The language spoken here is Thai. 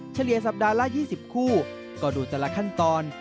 เฉลี่ยสัปดาห์ละ๒๐คู่ก็ดูแต่ละขั้นตอน